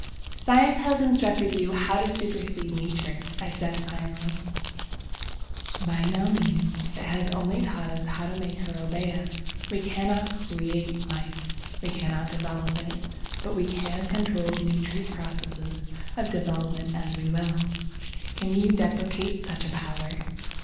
"Science has instructed you how to supercede Nature," I said, finally. "By no means. It has only taught us how to make her obey us. We cannot create Life. We cannot develop it. But we can control Nature's processes of development as we will. Can you deprecate such a power?